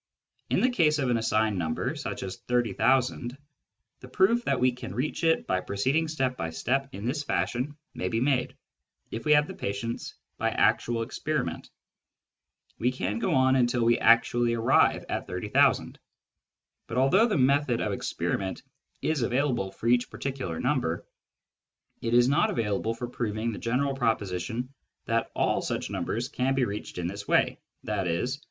In the case of an assigned number, such as 30,000, the proof that we can reach it by proceeding step by step in this fashion may be made, if we have the patience, by actual experiment : we can go on until we actually arrive at 30,000. But although the method of experiment is available for each particular natural number, it is not available for proving the general proposition that all such numbers can be reached in this way, i.e.